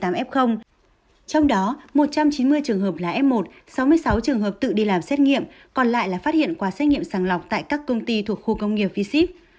trong đó một trăm chín mươi trường hợp là f một sáu mươi sáu trường hợp tự đi làm xét nghiệm còn lại là phát hiện qua xét nghiệm sàng lọc tại các công ty thuộc khu công nghiệp v sip